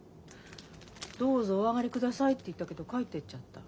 どうぞお上がりくださいって言ったけど帰ってっちゃった。